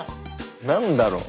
何だろう？